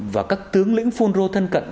và các tướng lĩnh phun rô thân cận